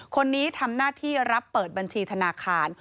คนนี้ทำหน้าที่รับเปิดบัญชีธนาคาร